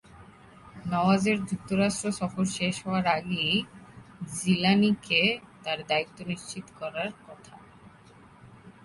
নওয়াজের যুক্তরাষ্ট্র সফর শেষ হওয়ার আগেই জিলানিকে তাঁর দায়িত্ব নিশ্চিত করার কথা।